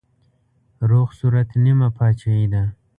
روغ صورت نيمه پاچاهي ده.